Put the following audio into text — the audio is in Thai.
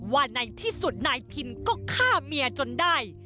ว่าในที่สุดนายทินก็ฆ่าเมียจนได้